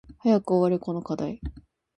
早く終われこの課題